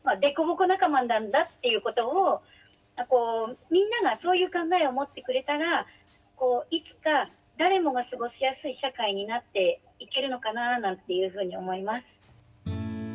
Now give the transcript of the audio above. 「凸凹仲間」なんだということをみんながそういう考えを持ってくれたらこういつか誰もが過ごしやすい社会になっていけるのかななんていうふうに思います。